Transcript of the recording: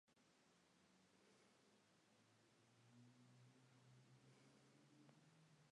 Escribió y publicó libros de viajes, de temática ferroviaria y sobre patrimonio cultural.